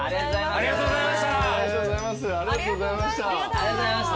ありがとうございます。